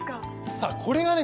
さぁこれがね